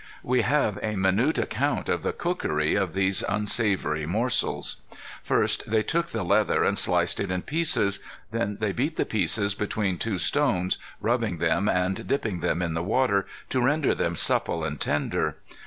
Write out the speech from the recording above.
We have a minute account of the cookery of these unsavory morsels. First they took the leather and sliced it in pieces. Then they beat the pieces between two stones rubbing them and dipping them in the water, to render them supple and tender.